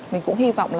mình cũng hy vọng